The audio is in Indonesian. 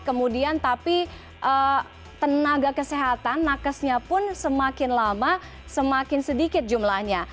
kemudian tapi tenaga kesehatan nakesnya pun semakin lama semakin sedikit jumlahnya